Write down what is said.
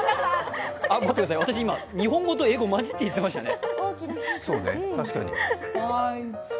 待ってください、私、今、日本語と英語混じって言ってましたね。